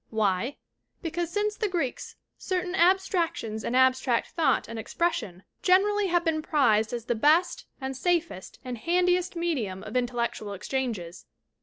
Why? Because since the Greeks certain abstractions and abstract thought and expression generally have been prized as the best and safest and handiest medium of intel lectual exchanges.